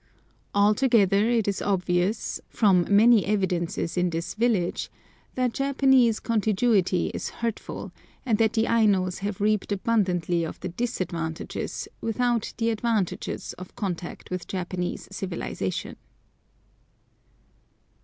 Altogether it is obvious, from many evidences in this village, that Japanese contiguity is hurtful, and that the Ainos have reaped abundantly of the disadvantages without the advantages of contact with Japanese civilisation.